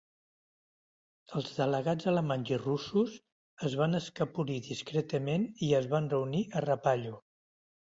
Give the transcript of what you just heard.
Els delegats alemanys i russos es van escapoli discretament i es van reunir a Rapallo.